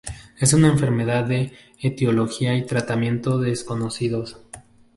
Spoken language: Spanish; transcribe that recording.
Es una enfermedad de etiología y tratamiento desconocidos.